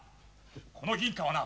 この銀貨はな